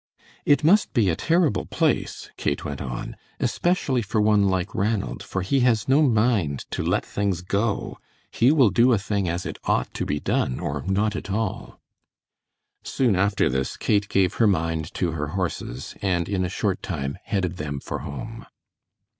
"It must be a terrible place," Kate went on, "especially for one like Ranald, for he has no mind to let things go. He will do a thing as it ought to be done, or not at all." Soon after this Kate gave her mind to her horses, and in a short time headed them for home.